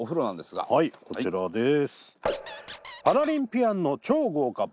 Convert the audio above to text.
はいこちらです。